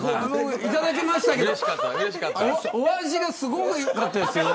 いただきましたけどお味がすごく良かったですよ。